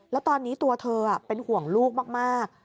แล้วตอนนี้ตัวเธอเป็นห่วงลูกมาก